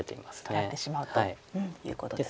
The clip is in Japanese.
取られてしまうということですね。